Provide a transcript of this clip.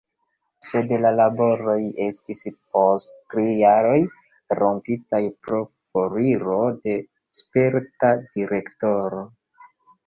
Sed la laboroj estis post tri jaroj rompitaj pro foriro de sperta direktoro.